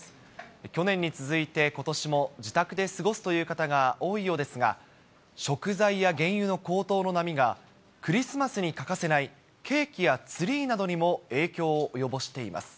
去年に続いてことしも自宅で過ごすという方が多いようですが、食材や原油の高騰の波が、クリスマスに欠かせないケーキやツリーなどにも影響を及ぼしています。